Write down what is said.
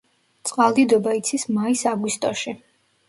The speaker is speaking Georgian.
წყალდიდობა იცის მაის-აგვისტოში.